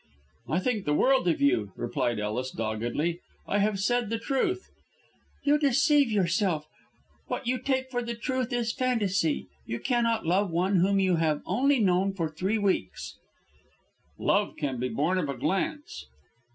"I think the world of you," replied Ellis, doggedly. "I have said the truth." "You deceive yourself. What you take for the truth is fantasy. You cannot love one whom you have known only three weeks." "Love can be born of a glance."